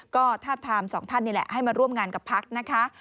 ก็ทาบทามสองท่านนี่แหละให้มาร่วมงานกับพักนะคะ